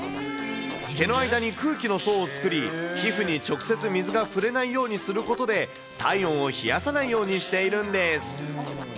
毛の間に空気の層を作り、皮膚に直接、水が触れないようにすることで、体温を冷やさないようにしているんです。